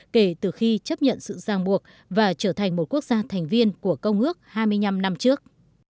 kể từ khi chấp nhận sự giang buộc và trở thành một quốc gia thành viên của công ước hai mươi năm năm trước